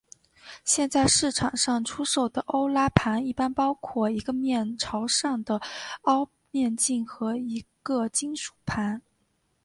现在市场上出售的欧拉盘一般包括一个面朝上的凹面镜和一个金属盘。